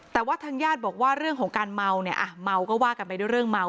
แต่ว่าทางญาติบอกว่าเรื่องของการเมาเนี่ยอ่ะเมาก็ว่ากันไปด้วยเรื่องเมา